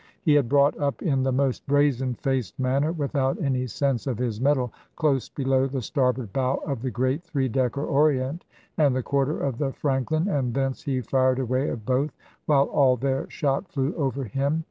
He had brought up in the most brazen faced manner, without any sense of his metal, close below the starboard bow of the great three decker Orient and the quarter of the Franklin, and thence he fired away at both, while all their shot flew over him.